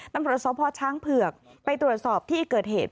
ตำรวจสพช้างเผือกไปตรวจสอบที่เกิดเหตุ